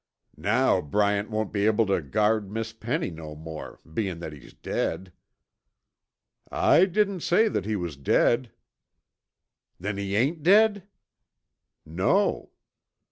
"Now Bryant won't be able tuh guard Miss Penny no more, bein' that he's dead." "I didn't say that he was dead." "Then he ain't dead?" "No."